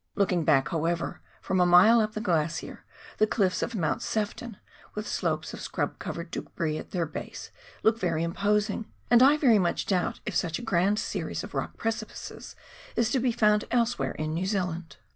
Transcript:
Looking back, however, from a mile up the glacier, the cliffs of Mount Sefton, with slopes of scrub covered debris at their base, look very imposing, and I verj' much doubt if such a great series of rock precipices is to be found elsewhere in New Zealand.